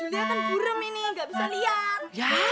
julia kan gurem ini gak bisa lihat